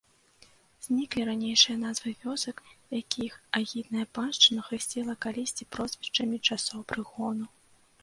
Зніклі ранейшыя назвы вёсак, якіх агідная паншчына хрысціла калісьці прозвішчамі часоў прыгону.